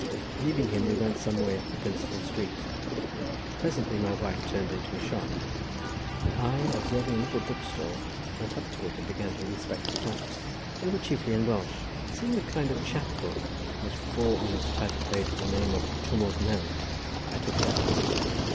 Leaving him, we went some way up the principal street; presently my wife turned into a shop, and I, observing a little bookstall, went up to it, and began to inspect the books. They were chiefly in Welsh. Seeing a kind of chap book, which bore on its title page the name of Twm O'r Nant, I took it up.